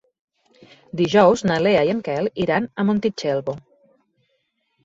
Dijous na Lea i en Quel iran a Montitxelvo.